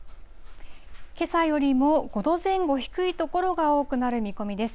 けさよりも５度前後低い所が多くなる見込みです。